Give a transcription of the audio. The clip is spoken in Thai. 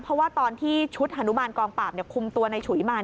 เพราะว่าตอนที่ชุดฮานุมานกองปราบคุมตัวในฉุยมา